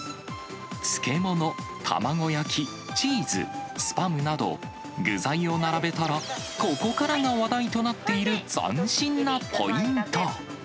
漬物、卵焼き、チーズ、スパムなど、具材を並べたら、ここからが話題となっている、斬新なポイント。